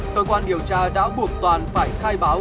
cơ quan điều tra đã buộc toàn phải khai báo